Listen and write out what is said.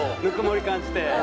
ぬくもり感じて。